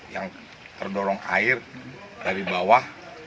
yang terdorong air dari bawah